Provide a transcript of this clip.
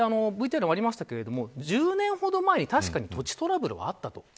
ＶＴＲにもありましたが１０年ほど前に確かに土地トラブルはあったと。